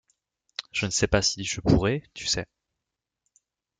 Je ne sais pas si je pourrai, tu sais.